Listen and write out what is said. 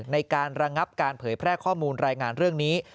ในการระงับการเผยแพร่ข้อมูลรายงานเรื่องนี้